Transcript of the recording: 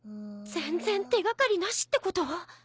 全然手掛かりなしってこと？